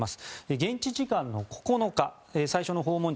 現地時間の９日最初の訪問地